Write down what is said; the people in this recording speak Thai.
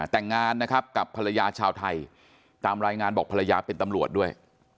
แต่งงานนะครับกับภรรยาชาวไทยตามรายงานบอกภรรยาเป็นตำรวจด้วย